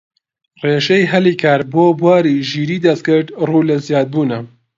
ڕێژەی هەلی کار بۆ بواری ژیریی دەستکرد ڕوو لە زیادبوونە